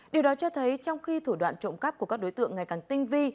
điều đó cho thấy trong khi thủ đoạn trộm cắp của các đối tượng ngày càng tinh vi